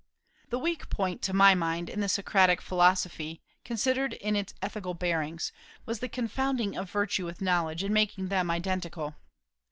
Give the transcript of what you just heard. The weak point, to my mind, in the Socratic philosophy, considered in its ethical bearings, was the confounding of virtue with knowledge, and making them identical.